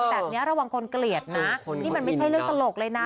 แบบนี้ระวังคนเกลียดนะนี่มันไม่ใช่เรื่องตลกเลยนะ